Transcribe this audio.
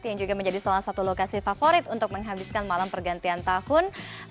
yang juga menjadi salah satu lokasi favorit untuk menghabiskan malam pergantian tahun